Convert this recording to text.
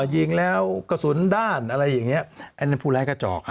ยิงแล้วกระสุนด้านอะไรอย่างเงี้ยอันนั้นผู้ร้ายกระจอก